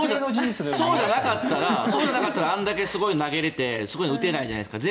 そうじゃなかったらあんだけすごい投げれてすごい打てないじゃないですか。